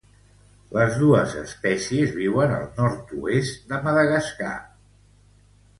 Les dos espècies viuen al nord-oest de Madagascar.